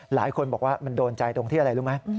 หลายคนบอกว่ามันโดนใจตรงที่อะไรรู้ไหม